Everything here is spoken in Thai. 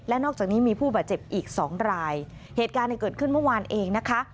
นอกจากนี้มีผู้บาดเจ็บอีกสองรายเหตุการณ์เนี่ยเกิดขึ้นเมื่อวานเองนะคะ